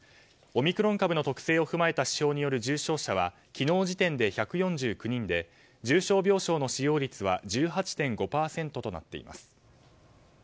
オミクロン株の特性を踏まえた指標による重症者は昨日時点で１４９人で重症病床の使用率は１８．５％となっています。